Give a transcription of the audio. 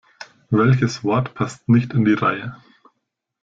Welches Wort passt nicht in die Reihe?